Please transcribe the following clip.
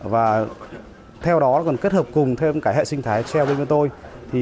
và theo đó còn kết hợp cùng thêm cả hệ sinh thái shell bên bên tôi